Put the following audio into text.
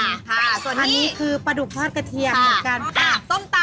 ส่วนอันนี้คือปลาดุกทอดกระเทียมเหมือนกัน